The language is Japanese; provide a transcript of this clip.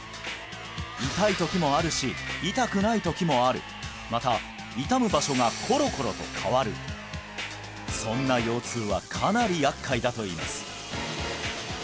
痛い時もあるし痛くない時もあるまた痛む場所がころころと変わるそんな腰痛はかなり厄介だといいます